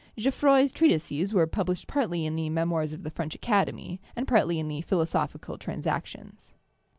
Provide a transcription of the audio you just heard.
Geoffroy's treatises were pub lished partly in the 'Memoirs of the French Academy,' and partly in the 'Philosophical Transactions.'